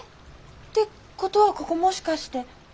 ってことはここもしかして。